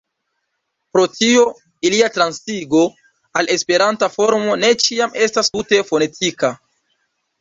Pro tio ilia transigo al Esperanta formo ne ĉiam estas tute fonetika.